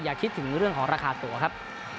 คิดถึงเรื่องของราคาตัวครับ